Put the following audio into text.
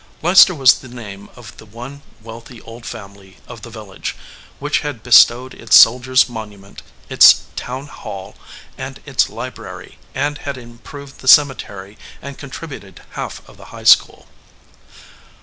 Leicester was the name of the one wealthy old family of the village, which had be stowed its soldiers monument, its town hall, and its library, and had improved the cemetery and contributed half of the high school.